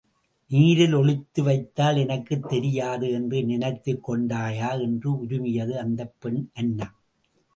நீரில் ஒளித்து வைத்தால் எனக்குத் தெரியாது என்று நினைத்துக் கொண்டாயா என்று உருமியது அந்தப் பெண் அன்னம்.